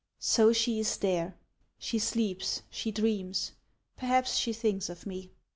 So she is there ! She sleeps, she dreams, perhaps she thinks of me